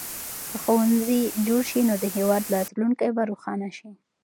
که ښوونځي جوړ شي نو د هېواد راتلونکی به روښانه شي.